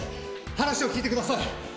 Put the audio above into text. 話を聞いてください。